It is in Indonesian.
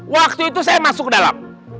waktu itu saya masuk dalam